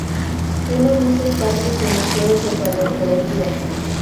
Tiene muchos parques y museos de paleontología.